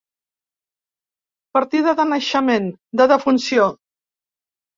Partida de naixement, de defunció.